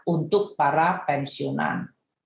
untuk para pensiunan